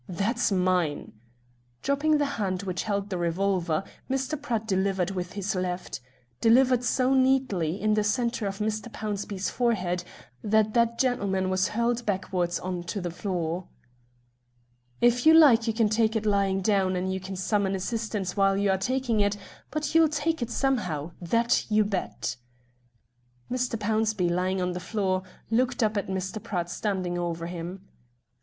That's mine!" Dropping the hand which held the revolver, Mr. Pratt delivered with his left. Delivered so neatly, in the centre of Mr. Pownceby's forehead, that that gentleman was hurled backwards on to the floor. "If you like you can take it lying down, and you can summon assistance while you are taking it; but you'll take it somehow that you bet." Mr. Pownceby, lying on the floor, looked up at Mr. Pratt standing over him.